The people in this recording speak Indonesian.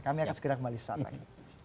kami akan segera kembali saat lagi